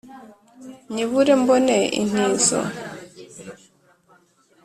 nyibure mbone intizo,